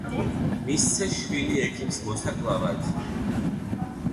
მისცეს შვილი ექიმს მოსაკლავად.